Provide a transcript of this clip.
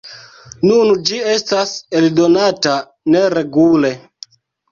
Nun ĝi estas eldonata neregule.